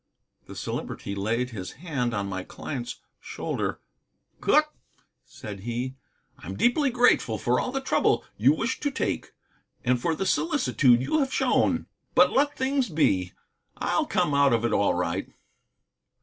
The Celebrity laid his hand on my client's shoulder. "Cooke," said he, "I'm deeply grateful for all the trouble you wish to take, and for the solicitude you have shown. But let things be. I'll come out of it all right."